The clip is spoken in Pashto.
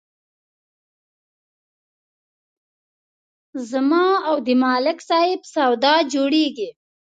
زما او د ملک صاحب سودا جوړېږي